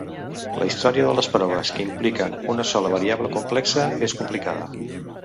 La història de les proves que impliquen una sola variable complexa és complicada.